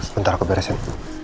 bentar aku beresin